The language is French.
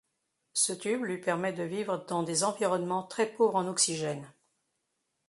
Ce tube lui permet de vivre dans des environnements très pauvres en oxygène.